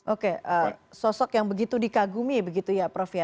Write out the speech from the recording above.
oke sosok yang begitu dikagumi begitu ya prof ya